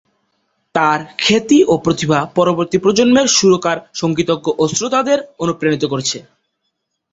তার খ্যাতি ও প্রতিভা পরবর্তী প্রজন্মের সুরকার, সঙ্গীতজ্ঞ ও শ্রোতাদের অনুপ্রাণিত করেছে।